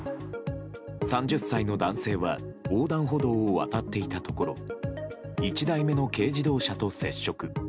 ３０歳の男性は横断歩道を渡っていたところ１台目の軽自動車と接触。